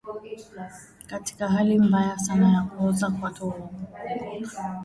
Katika hali mbaya sana ya kuoza kwato hungoka